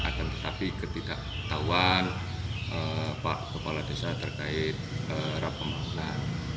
akan tetapi ketidaktahuan pak kepala desa terkait rab pembangunan